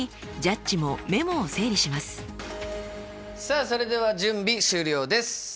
さあそれでは準備終了です。